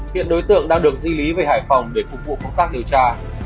hiện đối tượng đang được di lý về hải phòng để phục vụ công tác điều tra